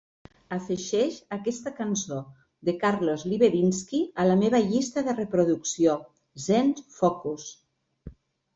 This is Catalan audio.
Afegeix aquesta cançó de Carlos Libedinsky a la meva llista de reproducció "zen focus".